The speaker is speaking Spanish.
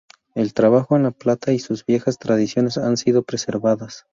El trabajo en plata y sus viejas tradiciones han sido preservadas.